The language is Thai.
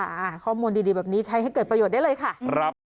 อ่าข้อมูลดีดีแบบนี้ใช้ให้เกิดประโยชน์ได้เลยค่ะครับ